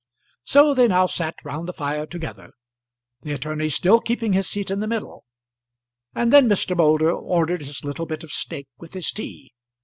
So they now sat round the fire together, the attorney still keeping his seat in the middle. And then Mr. Moulder ordered his little bit of steak with his tea.